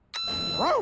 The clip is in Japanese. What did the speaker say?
ワン！